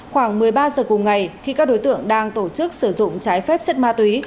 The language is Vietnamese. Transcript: khoảng một mươi ba giờ cùng ngày khi các đối tượng đang tổ chức sử dụng trái phép chất ma túy